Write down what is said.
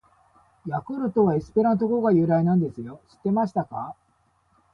「ヤクルト」はエスペラント語が由来なんですよ！知ってましたか！！